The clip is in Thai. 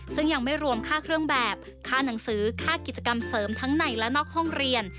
ซึ่งยังไม่รวมค่าเครื่องแบบค่าหนังสือค่ากิจกรรมเสริมทั้งในและนอกห้องเรียน